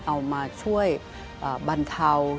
เอามาช่วยบรรเทา